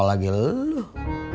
kau lagi leluh